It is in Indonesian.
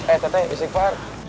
eh teh teh istighfar